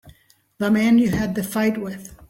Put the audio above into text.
The man you had the fight with.